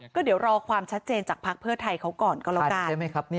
ก็เดี๋ยวรอความชัดเจนจากภักดิ์เพื่อไทยเขาก่อนก็แล้วกัน